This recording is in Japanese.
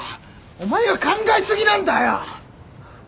お前は考え過ぎなんだよ！